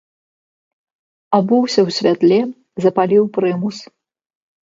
Абуўся ў святле, запаліў прымус.